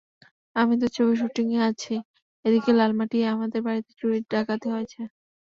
আমি তো ছবির শুটিংয়ে আছি, এদিকে লালমাটিয়ায় আমাদের বাড়িতে চুরি-ডাকাতি হয়েছে।